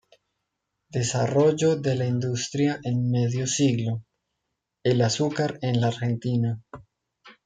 Desarrollo de la industria en medio siglo; El azúcar en la Argentina".